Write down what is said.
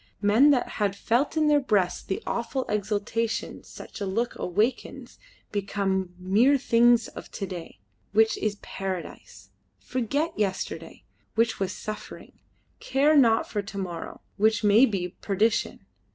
Men that had felt in their breasts the awful exultation such a look awakens become mere things of to day which is paradise; forget yesterday which was suffering; care not for to morrow which may be perdition.